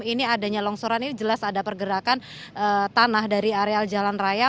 ini adanya longsoran ini jelas ada pergerakan tanah dari areal jalan raya